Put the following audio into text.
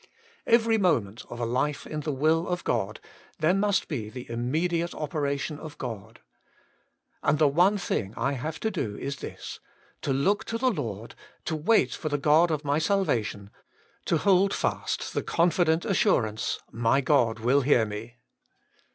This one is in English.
Every moment of a life in the will of God there must be the im mediate operation of God. And the one thing I have to do is this : to look to the Lord ; to wait WAITING ON GODl ^ lag for the God of my salvation ; to hold fast the confident assurance, * My God will hear me.'